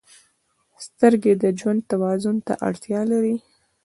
• سترګې د ژوند توازن ته اړتیا لري.